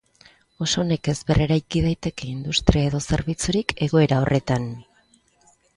Oso nekez berreraiki daiteke industria edo zerbitzurik egoera horretan.